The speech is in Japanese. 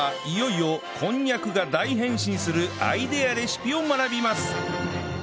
いよいよこんにゃくが大変身するアイデアレシピを学びます！